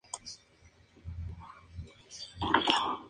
Tuvo siete hijos.